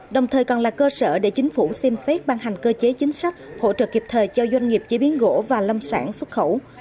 đồng thời còn là cơ sở để chính phủ xem xét ban hành cơ chế chính sách hỗ trợ kịp thời cho doanh nghiệp chế biến gỗ và lâm sản xuất khẩu